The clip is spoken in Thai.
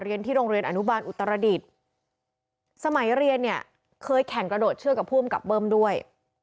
ที่โรงเรียนอนุบาลอุตรดิษฐ์สมัยเรียนเนี่ยเคยแข่งกระโดดเชือกกับผู้อำกับเบิ้มด้วย